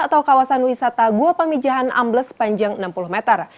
atau kawasan wisata gua pamijahan ambles sepanjang enam puluh meter